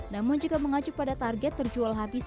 namun jika mengacu pada target terjual habis